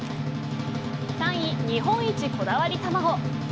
３位、日本一こだわり卵。